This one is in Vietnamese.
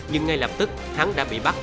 nhưng ngay lập tức hắn đã bị bắt bệnh viện